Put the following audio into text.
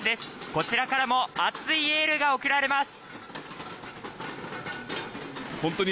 こちらからも熱いエールが送られます。